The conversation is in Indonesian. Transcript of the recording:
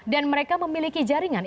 dan mereka memiliki jaringan